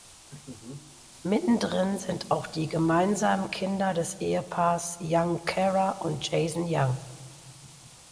Mitten drin sind auch die gemeinsamen Kinder des Ehepaars Young Kara und Jason Young.